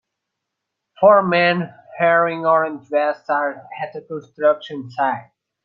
Four men wearing orange vests are at a construction site.